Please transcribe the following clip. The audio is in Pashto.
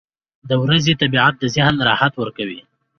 • د ورځې طبیعت د ذهن راحت ورکوي.